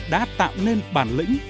đã tạo nên bản lĩnh